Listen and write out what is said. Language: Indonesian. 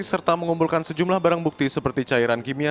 serta mengumpulkan sejumlah barang bukti seperti cairan kimia